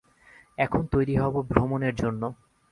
এখন তৈরি হব ভ্রমণের জন্যে।